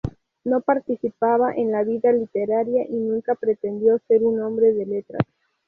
No participaba en la vida literaria y nunca pretendió ser un hombre de letras.